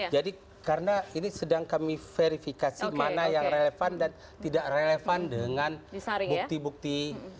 jadi karena ini sedang kami verifikasi mana yang relevan dan tidak relevan dengan bukti bukti